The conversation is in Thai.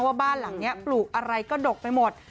ว่าบ้านหลังนี้ปลูกอะไรก็ดกไปหมด